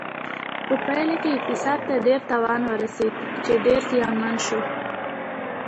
په پایله کې اقتصاد ته ډیر تاوان ورسېده چې ډېر زیانمن شو.